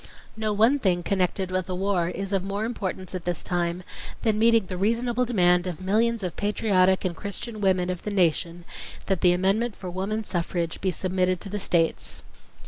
... No one thing connected with the war is of more importance at this time than meeting the reasonable demand of millions of patriotic and Christian women of the Nation that the amendment for woman suffrage be submitted to the States